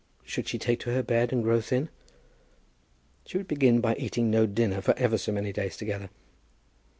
Should she take to her bed and grow thin? She would begin by eating no dinner for ever so many days together.